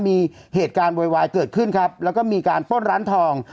มีเหตุการณ์โวยวายเกิดขึ้นครับแล้วก็มีการปล้นร้านทอง